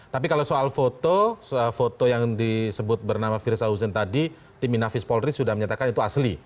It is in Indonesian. tapi kalau soal foto soal foto yang disebut bernama fierce ausen tadi tim inafis polris sudah menyatakan itu asli